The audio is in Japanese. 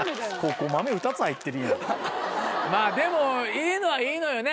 まぁでもいいのはいいのよね？